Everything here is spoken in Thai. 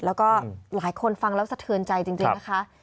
แล้วก็หลายคนฟังแล้วสะเทือนใจจริงนะคะ